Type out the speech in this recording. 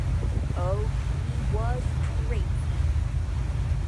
Oh, she was crazy.